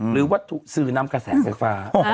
หรือว่าถูกซื้อน้ำกระแสไฟฟ้า